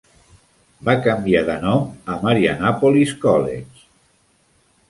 Va canviar de nom a Marianopolis College.